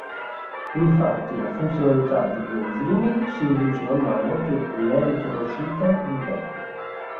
Infatti, la funzionalità degli enzimi si riduce man mano che l'eritrocita invecchia.